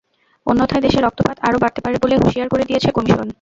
অন্যথায় দেশে রক্তপাত আরও বাড়তে পারে বলে হুঁশিয়ার করে দিয়েছে কমিশন।